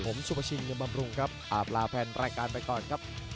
ผมซุปชินยมบำรุงครับอาบลาแผนรายการไปก่อนครับ